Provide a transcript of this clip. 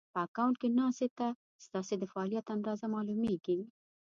په اکونټ کې ناسې ته ستاسې د فعالیت اندازه مالومېږي